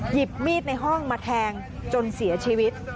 หยิบมีดในห้องมาแทงจนเสียชีวิต